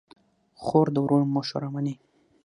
خور د ورور مشوره منې.